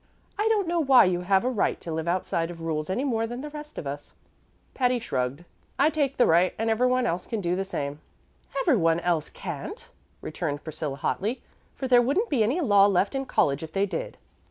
"I don't know why you have a right to live outside of rules any more than the rest of us." Patty shrugged. "I take the right, and every one else can do the same." "Every one else can't," returned Priscilla, hotly, "for there wouldn't be any law left in college if they did.